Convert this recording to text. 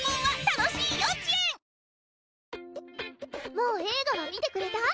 もう映画は見てくれた？